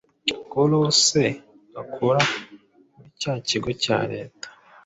ko rose akora muri cya kigo cya leta